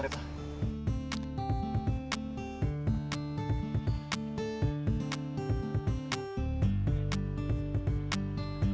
baik nom begini